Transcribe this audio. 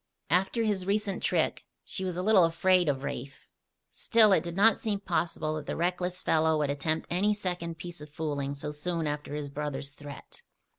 After his recent trick she was a little afraid of Rafe. Still it did not seem possible that the reckless fellow would attempt any second piece of fooling so soon after his brother's threat.